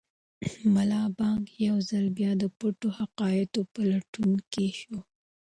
ملا بانګ یو ځل بیا د پټو حقایقو په لټون کې شو.